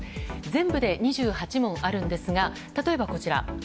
全部で２８問あるんですが例えば、こちら。